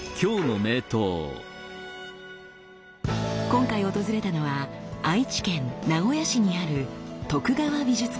今回訪れたのは愛知県名古屋市にある徳川美術館。